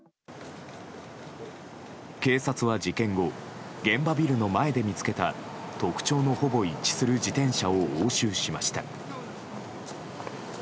警察は事件後現場ビルの前で見つけた特徴のほぼ一致する自転車を押収しました。